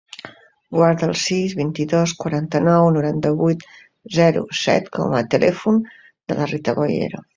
Guarda el sis, vint-i-dos, quaranta-nou, noranta-vuit, zero, set com a telèfon de la Rita Boyero.